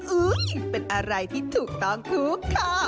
เป็นอะไรที่ถูกต้องทุกข้อ